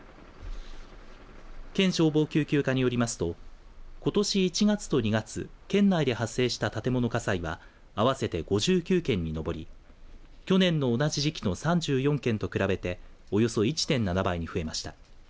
県消防救急課によりますとことし１月と２月県内で発生した建物火災は合わせて５９件に上り去年の同じ時期の３４件と比べておよそ１．７倍に増えました。